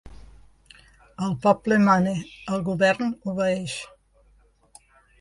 El poble mana, el govern obeeix!